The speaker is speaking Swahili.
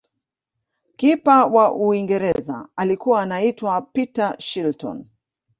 kipa wa uingereza alikuwa anaitwa peter shilton